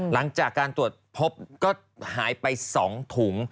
หลังจากการตรวจพบก็หายไป๒ถุง